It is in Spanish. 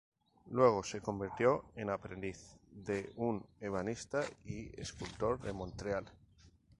Luego se convirtió en aprendiz de un ebanista y escultor de Montreal.